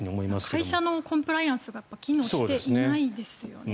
会社のコンプライアンスが機能していないですよね。